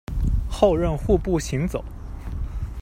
后任户部行走。